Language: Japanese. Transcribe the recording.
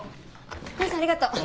クニさんありがとう。